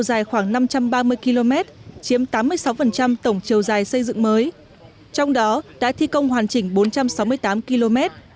dài khoảng năm trăm ba mươi km chiếm tám mươi sáu tổng chiều dài xây dựng mới trong đó đã thi công hoàn chỉnh bốn trăm sáu mươi tám km